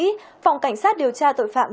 phòng cảnh sát điều tra tội phạm